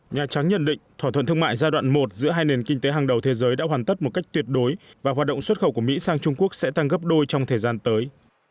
nhà trắng nhận định thỏa thuận thương mại giai đoạn một giữa hai nền kinh tế hàng đầu thế giới đã hoàn tất một cách tuyệt đối và hoạt động xuất khẩu của mỹ sang trung quốc sẽ tăng gấp đôi trong thời gian tới